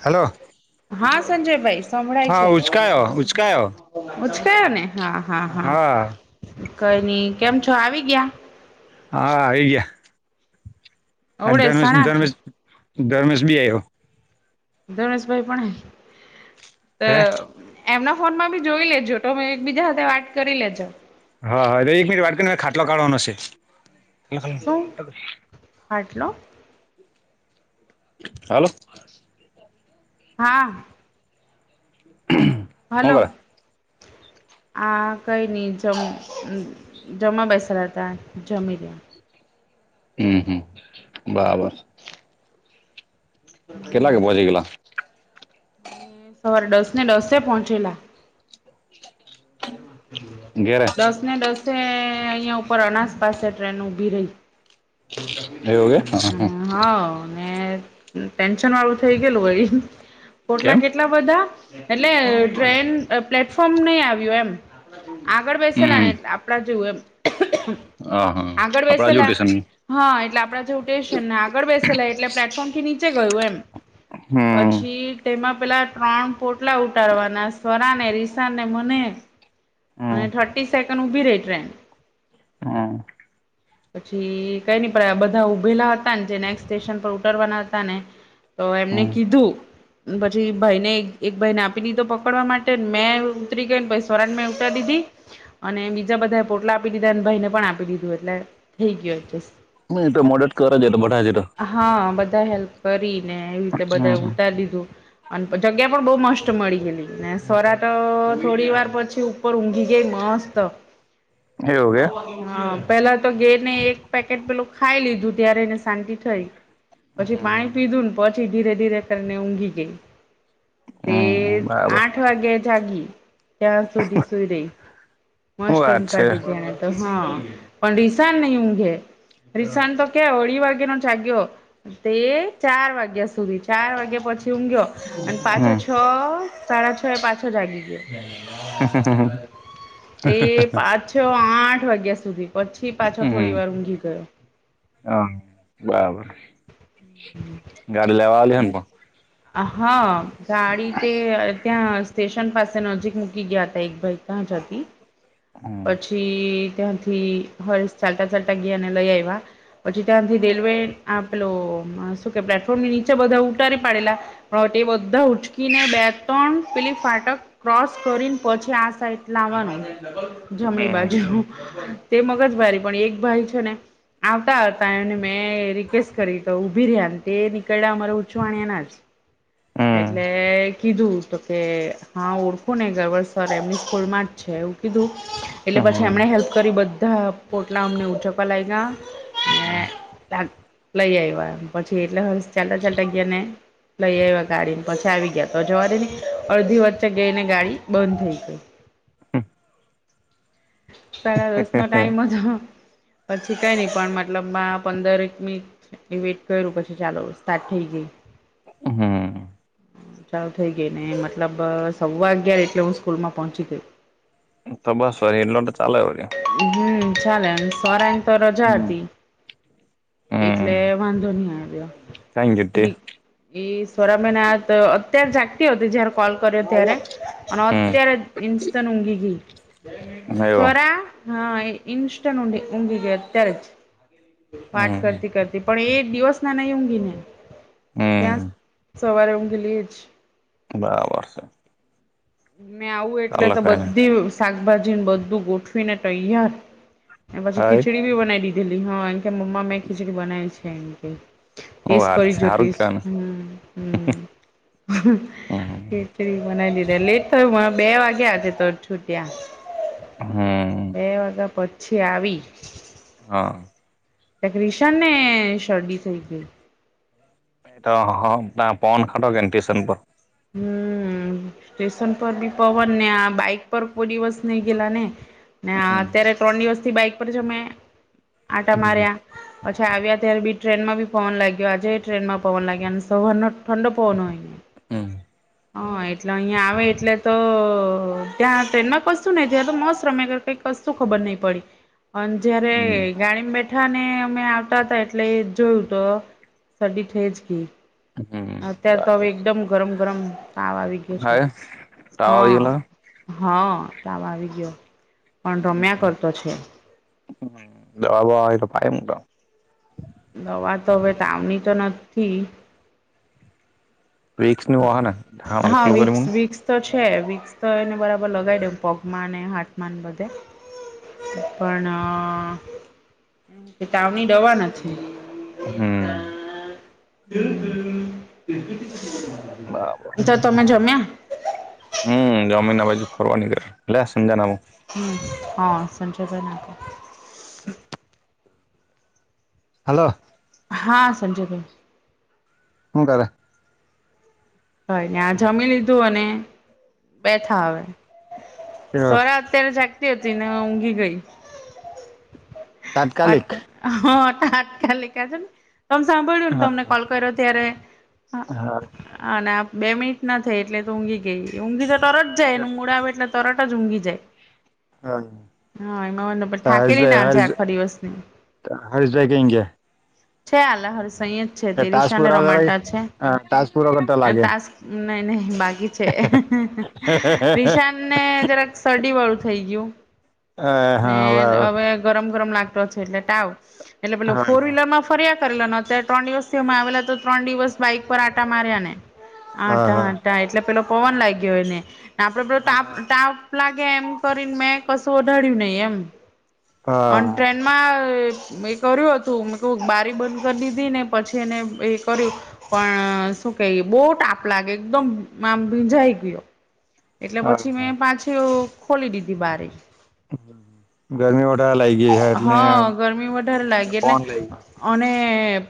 Hello હા સંજયભાઈ. સંભળાય હા છે. ઉચકાયો ઉચકાયો ઉછકાયો ને હા હા હા કઈ નઈ કેમ છો, આવી ગયા? હા, આઈ ગ્યા. અન અવડે ધર્મેશ સણા કે ધર્મેશ ધર્મેશ બી આવ્યો. ધનસભાઈ પણ હે તો હે એમના ફોનમાં ભી જોઈ લેજો તો એક બીજા સાથે વાત કરી લેજો. હા હા અરે એક મિનિટ વાત કરીને ખાટલો કાઢવાનો શે. શું? હાટલો? હાલો. હા. શું હાલો. કરે હા કઈ નહી જમ જમા બેસાલા હતા જમી રયા. હમ્મ હમ્મ બરાબર. કેટલા કે પહોચી ગેલા? અમે સવારે દસ ને દસે પોચેલા. ઘેરે દસ ને દસે અયા ઉપર અનાસ પાસે ટ્રેન ઉભી રહી. એવું કે હા હા. [unintelligible] ટેન્શન વાળું થઈ ગયેલું વળી કેમ પોટલા કેટલા બધા એટલે ટ્રેન અ પ્લેટફોર્મ ની આવ્યું એમ. આગળ બેસેલા હમ ને આપડા જેવું એમ. હા હા આગળ આપણા જેવું બેસેલા તેશન હા એટલે આપડા જે ઉટે છે ને આગળ બેસેલા એટલે પ્લેટફોર્મ થી નીચે ગયું એમ. હમ પછી તેમાં પેલા ત્રણ પોટલા ઉતારવાના સ્વરાને રીસાને મને હમ અને થર્ટી સેકન્ડ ઉભી રહી ટ્રેન. હા. પછી કઈ ની પન બધા ઊભેલા હતા ને જે નેક્સ્ટ સ્ટેશન પર ઉતરવાના હતા ને તો એમને હમ કીધું પછી ભાઈ ને એક ભાઈ ને આપી દીધો પકડવા માટે મેં ઉતરી ગય ને પછ સોરાન મેં દીધી અને બીજા બધા પોટલા આપી દીધા અને ભાઈને પણ આપી દીધું એટલે થઈ ગયું એડજસ્ટ. એ તો મોડટ કરે છેટ બેઠા છે તો. હા બધા હેલ્પ કરીને એવી રીતે બધા હમ ઉતારી દીધું. અને જગ્યા પણ બહુ મસ્ત મળી ગયેલી ને સોરા તો થોડી વાર પછી ઉપર ઊઘી ગ‌ઈ મસ્ત એવું કે હા પેલા તો ગે ને એક પેકેટ પેલું ખાઈ લીધું ત્યારે એને શાંતિ થઈ પછી પાણી હમ પીધું ને પછી ધીરે ધીરે કરીને ઊંઘી ગઈ તે બરાબર આઠ વાગ્યા જાગી ત્યાં સુધી સુઈ ર‌ઇ શું મસ્ત વાત ઉંઘ છે કરી છેને તો હા પણ રિશાન નહી ઉંઘે રિસાન તો કે અઢી વાગ્યા નો જાગ્યો તે ચાર વાગ્યા સુધી ચાર વાગ્યા પ પછી ઊઘયો અને પાછો હમ છ સાડા છ એ પાછો જાગી ગયો એ પાછ આઠ વાગ્યા સુધી પછી પાછો થોડી વાર ઊંઘી ગયો હમ બરાબર [inaudible] ગાડી લેવાલી હ પણ હા ગાડી તે ત્યાં સ્ટેશન પાસે નજીક મૂકી ગયા હતા એક ભાઈ કં જતી પછી ત્યાંથી હષૅ ચાલતા ચાલતા ગયાને લઈ આવ્યા. પછી ત્યાંથી રેલવે આપેલો શું કે પ્લેટફોર્મ નીચે બધા ઉતારી પાડેલા બધા ઉચકીને બે ત્રણ પેલી ફાટક ક્રોસ કરીને પછી આ સાઈટ લાવવાનું જમણી હમ બાજુ તે મગજ મરી પણ એક ભાઈ છે. ને આવતા આવતા એને મેં રિકવેસ્ટ કરી તો ઊભી રહ્યા ને તે ક અમારે ઊંચું આણ્યા ના જ એટલે કીધું તો કે હા ઓળખું ને ગૌરવસર એમની સ્કૂલમાં જ છે. એવું કીધું એટલે પછી હમ એમણે હેલ્પ કરી બધા પોટલા અમને ઉછકવા લાગ્યા લઈ આવ્યા પછી એટલે હ ચાલતા ચાલતા ગયા ને લઈ આવ્યા ગાડી ને પછી આવી ગયા તો જવાદે ને અડધી વચ્ચે ગઈને ગાડી બંધ થઈ ગઈ હમ સાડા દસ ના ટાઈમ હતો. પછી કઈ નઈ પણ મતલબમાં પંદર એક મિનિટ વેટ કર્યું પછી ચાલો સ્ટાર્ટ થઈ ગઈ હમ ચાલુ થઇ ગઈ ને મતલબ સવા અગયાર એટલે હું સ્કૂલ માં પોહોંચી ગઈ તો બસ વળી એલો ચાલે હો હમ ચાલે એ સવ્ર‌રા ની તો રજા હમ હતી એટલે હમ વાંધો નહી આવ્યો કઈ હું ગીતે નીકળી એ થોડા મહિના અ અત્યારે જાગતી હતી જયારે કોલ હમ કર્યો ત્યારે અને આવ્યો અત્યારે ઇન્સ્ટ ઊંઘી ગઈ હવે સોરા હા એ ઇન્સ્ટન્ટ ઊ ઊંઘી ગઈ અત્યારે જ પાઠ હમ કરતી કરતી પણ એ દિવસ ના નહી ઊંઘીને ત્યાં હમ સવારે ઊંઘેલી જ બરાબર છે. મેં આવું એટલે ચાલે તો કઈ નઈ બધી શાકભાજીને બધું ગોઠવીને તૈયાર. પછી હાઈ ખીચડી ભી બનાવી દીધેલી હા એમ કે મમ્મા મેં ખીચડી બનાવી છે. એમ કે હું ટેસ્ટ વાત કરી છે જો હારું ટેસ્ટ કેવાય હું હું ને ખીચડી બનાય દી લેટ થયું મારા બે વાગ્યાજ તો છૂટ્યા હમ બે વાગ્યા પછી છે આવી હા ક્રિશન ને શરદી થઈ ગઈ એ તો હ ના પવન ખાધો એન્ટ્રી પંપ હમ સ્ટેશન પર ભી પવન ને આ બાઈક પર કોઈ દિવસ નહી ગયેલા ને ને હમ અત્યારે ત્રણ દિવસ થી બાઈક પર જ અમે આટા હમ માર્યા પછી. ત્યાં થી આવ્યા ત્યારે બી ટ્રેનમાંથી પવન લાગ્યો આજે ટ્રેનમાં પવન લાગ્યા અને સવારનો ઠંડો પવનો હોયં હમ હ એટલે અહિયાં આવે એટલે તો ત્યાં ટ્રેન ના કસુ નહીં ત્યાં તો મસ્ત રમે કંઈક કસુ ખબર નહી પડી અને જયારે ગાડી બેઠા મીઠાને અમે આવતા હતાા એટલે જોયું તો ઠડી થઈ જ ગઈ હમ અત્યારે તો હવે બરાબર છે એકદમ ગરમ ગરમ તાવ આવી ગયો છે. હાય તાવ આવી હા ગયો હા તાવ આવી ગયો પણ રમ્યા કરતો છે. હ દવા બવા હો તો પાયદો તો દવા તો હવે તાવ ની તો નથી. રિક્સ નું વાહન ધાણ હા હલકલું કરી વીકસ મુને વીક્સ તો છે. વિક્સ તો એને બરાબર લગાવી દઉ પગમાં અને હાથમાં બધે પણ કે તાવ ની દવા નથી હમ બરાબર તો તમે જમ્યા હમ જમીના બાજુ ફરવાની કર લલેસ જામ હમ હા સંજોતા ના હાલો હા સંજય ભાઈ તર હ ને આ જમી લીધું અને બેઠા હ સ્વરા અત્યારે જાગતી હતી ને ઊંઘી ગઈ હ તાત્કાલિક હટ હટકા લખા છે તમ સાંભળ્યું ને હા તમને કોલ કર્યો ત્યારે હા બે મિનિટ ના થાય એટલે તો ઊઘી ગઈ ઊંઘી તો તર જાયને હર્ષભાઈ મૂળ આવે એટલે તરત જ ઊંઘી જાય હા એમાં મ પણ થઠાકેલીને આજ આખા દિવસની હસ બે કેંગ છે આલાહર સ જ છે તે રિશાને કરે રમાટા છે હા ટાસ્ક પૂરો કરતા લાગે તાસ નહી નહી બાકી છે વિશ ન જરાક શરડી વાળું થઈ ગયું હ ને હા વા હવે ગરમ લાગતો એટલે ટાવ એટલે પે ફોર વ્હીલર માં ફરી કરે અત્યારે ત્રણ દિવસ થીમાં આવેલા તો ત્રણ દિવસ બાઈક પર આટા માર્યા ને હા હા આટાટા એટલે પેલો પોવાન લાગ્યો હોયને તાપ તાપ લાગે એમ કરીને મેં કશું ઓઢાડ્યું નહી એમ અને હા ટ્રેન માં એ કર્યું હતું મેં ક બારી બંધ કરી દીધી ને પછી એને એ કર્યું પણ શું કે બોટ આપ લાગે એકદમ આમ ભીંજાઈ ગયો એટલે હા પછી મેં પાછી ખોલી દીધી બારી હમ હ ગરમી ઓા લાગ ગઈ છે એટલેન હા ગરમી વધારે લાગી એટલે લઈ ગયો અને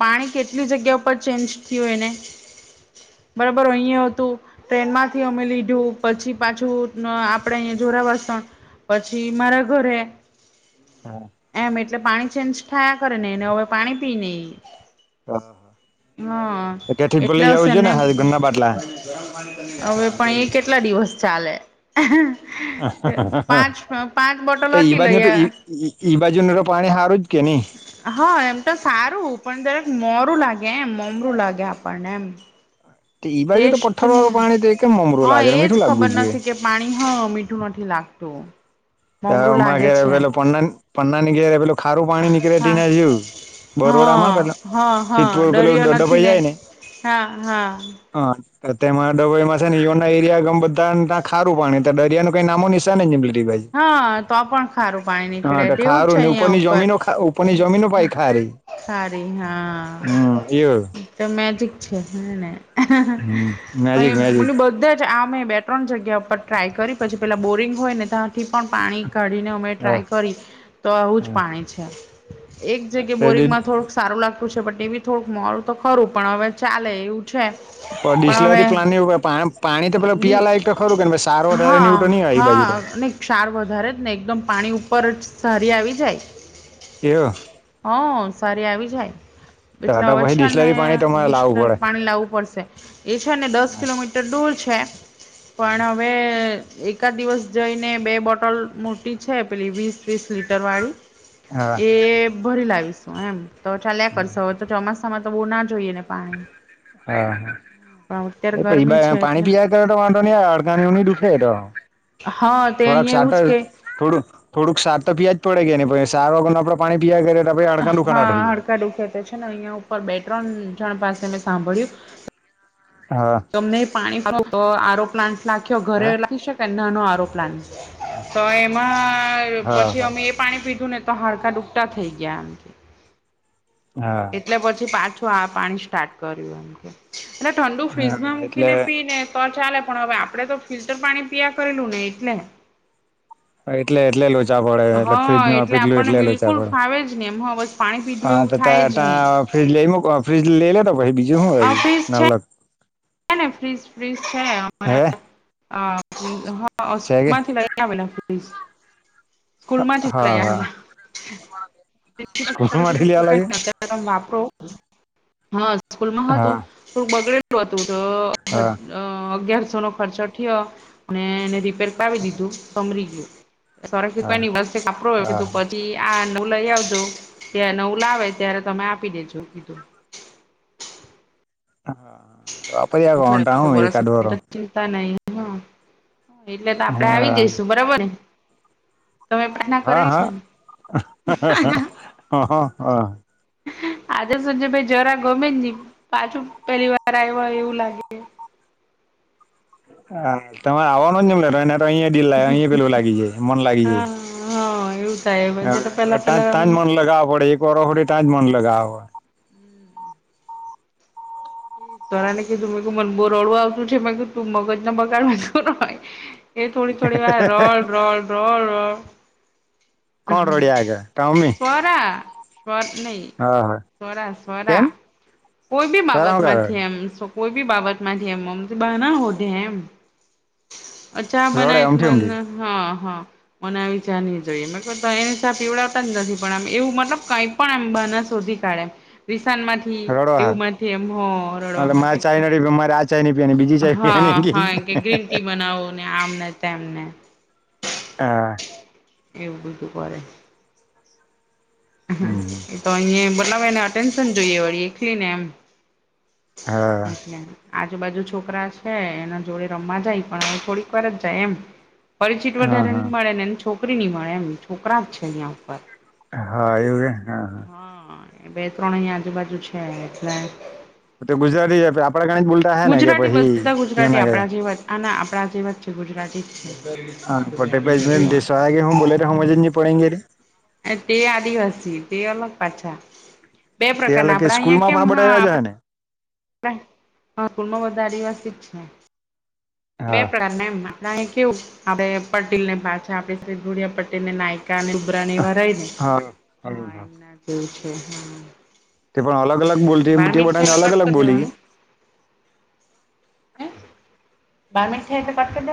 પાણી કેટલી જગ્યા પરર ચેન્જ થયું એને બરોબર અહીં હતું ટ્રેન માંથી અમે લીધું પછી પાછું આપણેે અહીયા જોરા વાસણ પછી મારા ઘરે હા એમ એટલે પાણી ચેન્જ થાયા કરે નનેને હવે પાણી પી નહ હા ત્યાંથી એટલે ભૂલી જવું છે હશેને ને ઘરના બાટલા હવે પણ એ કેટલા દિવસ ચાલે હ હ પાંચ પાંચ બોટલ તો ઈ હટી લ બાજુ તો ઈ ઈ ઈ બાજુનું તો પાણી હારું જ કે નહી હા એમ તો સારું પણ દરેક મોરું લાગે એમ [unintelligible] તો ઈ બાજુ તો ટેસ્ટ પથ્થર વાળું પાણી તો કેમ મમરું હા લાગે એજ મીઠું લાગવું ખબર જોઈએ નથી કે પાણી. હા મીઠું નથી લાગતો. [unintelligible] ની ઘેરે પેલું ખારું પાણી હા નીકળે [unintelligible] હા બરોડામાં પેલા હં હં સિદ્ધપુર પેલું ડરયો નથી ડબાઈ ને. જાય હા હા. હા તેમાં ડબોઈમાં છે, ને યોના એરિયા ગમ બધા ત ખારું પાણી દરિયાનું કઈ નામો નિશાન [unintelligible] હા તો પણ ખારું પાણી હા નીકળે તો તેવું છે, ખારું ને અહિયાયા ઉપરની જમીનો ઉપરની જમીનો ઉપર. પાઈ ખારી [unintelligible] હમ હા એવું તો મેજિક છે, હે ને. હમ મેજિક અહી મેજિક મને બધા જ આમે. બે ત્રણ જગ્યા ઉપર ટ્રાય કરી પછી પેલા બોરિંગ હોય ને ત્યાં. થી પણ પાણી કાઢીને અમે હા ટ્રાય કરી તો આવું જ હા પાણી છે. એક જગ્યા બોરિંગમાં થોડુંક સારું લાગત. છે, બટ એવી થોડુંક મોરું તો ખરું પણ હવે ચાલે એવું છે. પણ હવે ડિસ્લરી પ્લાવું પાણી તો પેલા બી પીવાલાયક તો ખરું કે સારું વધારે હા [unintelligible] તો નહીય એ બાજુ હા ને ક્ષાર વધારે જ ને એકદમ પાણી ઉપર જ સારી આવી જાય. એ. હં સારી આવી જાય. તો એટલે તો હવે પછી છે, ને ડિસ્લરી પાણી તમારે બીસ લાવવું પડે પાણી લાવવું પડશે એ છે, ને દસ કિલોમીટર દૂર છે. છે, પણ હવે એકાદ દિવસ જઈને. બે બોટલ મોટી છે, પેલી વીસ વીસ લીટર વાળી હા એ ભરી લાવી. એમ તો ચાલલે કરશો હવે તો ચોમાસામાં તો બહુ ના જોઈએ ને પાણી. હા હા. પણ અત્યારે એ પી ગરમી છે પાણી એટલે પી કર તો વાંધો નહી આ અડતાની ન દુઠે તો હા તે થોડાક અહીંયા સાટ એવું જ કે થોડુંક થોડુંક [unintelligible] તો [unintelligible] જ પડે ગયા સાર વાગર આપડે પાણી. પીયા કરીએ તો પછી હાડકાં દુખાના હા થઈ હડકા દુખ્યા તો છે, ને અહિયાં ઉપર બે ત્રણ. [unintelligible] પાસે મેં સાંભળ્યું. જાય હા તમને પાણી [unintelligible] તો આરો પ્લાન્ટ લખ્યો હે ઘરે લખી શકે નાનો આરો પ્લાન્ટ. તો એમાં હા પછી હા અમે એ પાણી પીધું ને. તો હાડકા ડુકટા થઈ ગયા આમથી હા એટલે પછી પાછ તો આ પાણી સ્ટાર્ટ કર્યું એમ કે એટલે ઠંડુ હા ફ્રીજમાં એટલે મૂકીને પીને. તો ચાલે પણ હવે આપડે તો ફિલ્ટર પાણી પયા કરેલું ને એટલે. એટલે એટલે [unintelligible] [unintelligible] પડે એટલે હા ફ્રીજ નું પીટલું આપણને એટલે લુચા બિલકુલ પડે ફાવે જ નહી એમ હ બસ પાણી પીધું હા એવું તો ત થાય જ નહી ત્યા. ફ્રીજ લઈ ફ્રીજ લઈ લેતો પછી બીજું શું આ હ ફ્રીજ ના છે [unintelligible] [unintelligible] ને ફ્રીજ ફ્રીજ છે, અમારા. હ હા હોસ્પિટલ શેગે માંથી લઈ આવેલા ફ્લીઝ. સ્કૂલ માંથી હા હા લઈ સ્કૂલ માટે લેવા લાગે [unintelligible] હા સ્કૂલમાં હતું હા તો બગડેલું હતું. તો હા અગિયારસો નો ખર્ચ [unintelligible] અને ર ફેરકાવી દીધું સમરી ગયું. [unintelligible] હા કોઈ ન હા [unintelligible] પછી આ લઈ આવજો ત્યા નવું લાવે ત્યારે તમે આપી દેજો. [inaudible] વાપરી આવ કોન્ટા હું ખબર એકાદ વારો [unintelligible] ચિંતા નહી. હા એટલે તો આપડે આવી હા જઈશું બરાબર ને. તમે [unintelligible] કરેલી હા છે, ને. હા હ હા આજે [unintelligible] ભાઈ જરા ગમે પાછું પહેલી વાર. [unintelligible] આવ એવું લાગે. હા તમે આવો ન જમ લે એને તો અહ ડીલ લ અ પેલું લાગી જાય મન લાગી હા જાય હા એવું થાય પછી તો હ પેલા તાં જ પેલા ત્યાંજ મન લગાવવા પડે એક ઓફોડી તાંજ મન લગાવવા હોડ તરા ને કીધું મેં મન બુ રડવું આવતું છે મે ક તું મગજ ના બગાડવા એ થોડી થોડી વા રોલ રોલ રોલ રો હ કોણ રડ્યા આગળ ટોમી પોરા સ્ નહી હા હા કેમ સ્સ્વરા કોઈ બી શરમ બાબત કરે માંથી રડે એમ કોઈ બી બાબત થી એમ મમ તો બ ના હોધે એમ ચા રડે બનાયત અમથી મન અમથી હા હા મને આવી જાની જોઈએ એને સા પીવડતા જ નથી પણ આમ એવું મતલબ કઈ પણમ શોધી કાઢે નુકસાન માંથી રડો હા એવું એમ હો રડવા એટલે મારે માટે ચાય નથી પીવાની, મારે આ ચાય નહીં પીવાની બીજી ચાય હા પીવાની હા કે ગ્રીન ટી બનાવવું ને આમને તેમને હા. એવું બધું કરે. હ હમ એ તો અહીં બનાવેને આટેન્શન જોઈએ વાળ એકલી ને એમ હા. એટલે આજુબાજુ છોકરા છે એના જોડે રમવા જાય પણ હવે થોડીક વાર જ જાય એમ પરિચિત હા વધારે નહી હા મળે ને એ છોકરી નહી મળે એમ છોકરા જ છે અહં ઉપર હા એવું હા હ હા બે ત્રણ અહીં આજુબાજુ છે એટલે હા તો ગુજરાતી આપડા ગણે જ બોલતા હે ને કે ગુજરાતી પછી બધા ગુજરાતી યના કે આપણા જેવા જ આ આપ જે વચ્ચે ગુજરાતી છે. હા. પટે ભે દસવાયા કે હું બોલે ર હુંજ પડેે રે તે આદિવાસી તે અલગ પાછા બે તે પ્રકારના અલગ કે આપડા અહિયાં સ્કૂલમાં કેમ પણ હ બધા એવા આપ જ હોય ને કુલમાં વધારે વાતિક છે બે હા પ્રકાર એમ આપ કેવું આપડે પટેલ ને પાછા આપણે ગુડિયા પટેલ ને ના કની ઉબરાની વારય ને હા હા એમનાવું છે હ તે પણ અલગ અલગ બોલતી બાર તે મી થ બધાને તો અલગ કટ અલગ તો બોલી દેવાનું હ બાર મીઠ તો કટકે દ